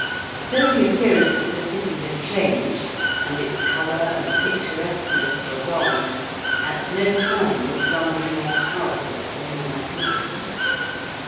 _)] Though the appearance of the City had changed, and its colour and picturesqueness were gone, at no time was London more powerful or more magnificent.